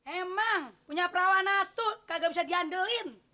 emang punya perawana tuh kagak bisa diandelin